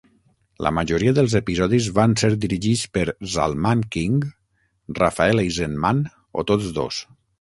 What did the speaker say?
La majoria dels episodis van ser dirigits per Zalman King, Rafael Eisenman o tots dos.